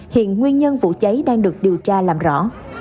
hiện nguyên nhân vụ cháy đang được điều tra làm rõ